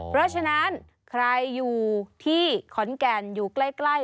เพราะฉะนั้นใครอยู่ที่ขอนแก่นอยู่ใกล้